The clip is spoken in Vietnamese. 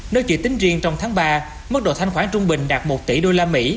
nói chuyện tính riêng trong tháng ba mức độ thanh khoản trung bình đạt một tỷ usd